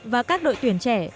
và các đội tuyển trẻ